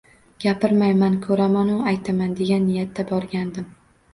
Gapirmayman, ko`ramanu qaytaman, degan niyatda borgandim